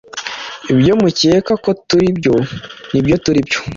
Ibyo mucyeka ko tutaribyo nibyo turibyo